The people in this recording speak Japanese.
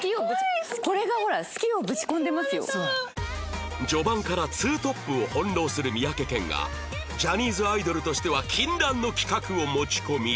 これがほら序盤からツートップを翻弄する三宅健がジャニーズアイドルとしては禁断の企画を持ち込み